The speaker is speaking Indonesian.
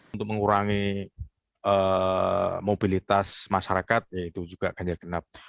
untuk mengurangi mobilitas masyarakat yaitu juga ganjil genap